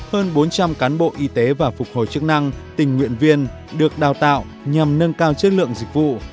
hơn bốn trăm linh cán bộ y tế và phục hồi chức năng tình nguyện viên được đào tạo nhằm nâng cao chất lượng dịch vụ